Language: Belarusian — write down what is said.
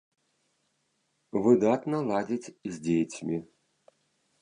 Выдатна ладзіць з дзецьмі.